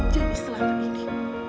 jadi selama ini